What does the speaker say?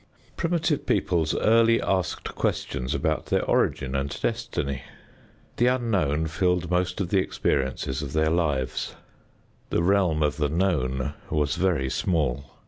Primitive peoples early asked questions about their origin and destiny. The unknown filled most of the experiences of their lives. The realm of the known was very small.